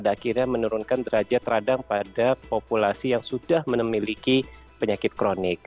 dan akhirnya menurunkan derajat terhadang pada populasi yang sudah memiliki penyakit kronik